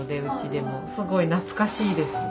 すごい懐かしいです。